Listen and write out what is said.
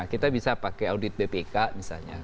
kita bisa pakai audit bpk misalnya